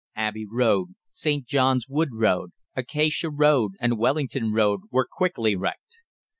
Abbey Road, St. John's Wood Road, Acacia Road, and Wellington Road, were quickly wrecked.